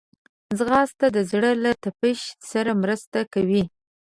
ځغاسته د زړه له تپش سره مرسته کوي